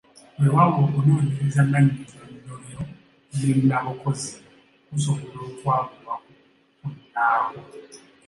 Weewaawo okunoonyereza nnannyinnyonnyolero ne nnabukozi kusobola okwawulwa ku kunnaakwo.